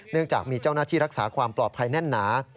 จากมีเจ้าหน้าที่รักษาความปลอดภัยแน่นหนา